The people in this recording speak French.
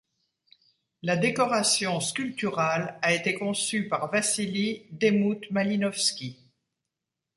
La décoration sculpturale a été conçue par Vassili Demuth-Malinovski.